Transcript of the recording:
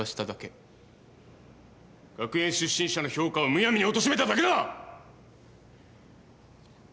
学園出身者の評価をむやみにおとしめただけだ！